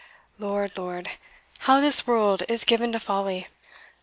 Lord! Lord! how this world is given to folly!